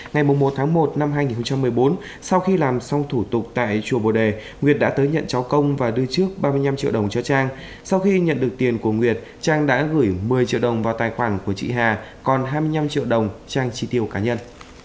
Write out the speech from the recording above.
ngày một tháng một năm hai nghìn một mươi bốn sau khi làm xong thủ tục tại chùa bồ đề nguyệt đã tới nhận cháu công và đưa trước ba mươi năm triệu đồng cho trang sau khi nhận được tiền của nguyệt trang đã gửi một mươi triệu đồng vào tài khoản của chị hà còn hai mươi năm triệu đồng trang trí tiêu cá nhân